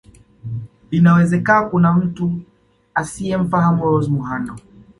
Inawezeka kuna mtu asiyemfahamu Rose Muhando